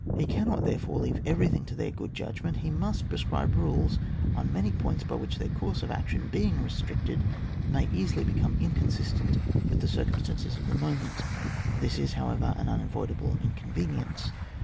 He cannot, therefore, leave everything to their good judgment ; he must prescribe rules on many points by which their course of action, being restricted, may easily become inconsistent with the cir cumstances of the moment. This is, however, an unavoidable inconvenience.